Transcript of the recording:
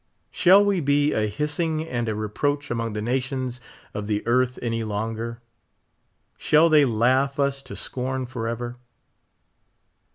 Shall we be a hissing and a reproach among the nations of the earth any longer ? Shall they laugh us to scorn forever